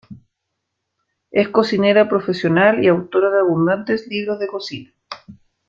Es cocinera profesional y autora de abundantes libros de cocina.